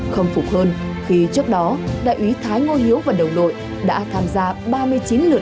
không phục hơn khi trước đó đại úy thái ngô hiếu và đồng đội đã tham gia ba mươi chín lượt cứng nạn cứu hộ và đã cứu sống được một mươi một người